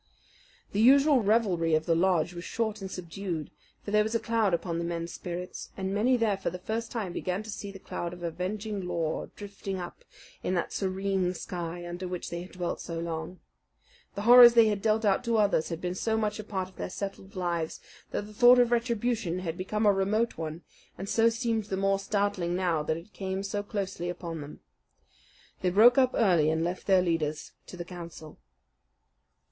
The usual revelry of the lodge was short and subdued: for there was a cloud upon the men's spirits, and many there for the first time began to see the cloud of avenging Law drifting up in that serene sky under which they had dwelt so long. The horrors they had dealt out to others had been so much a part of their settled lives that the thought of retribution had become a remote one, and so seemed the more startling now that it came so closely upon them. They broke up early and left their leaders to their council.